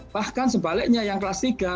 bahkan sebaliknya yang kelas tiga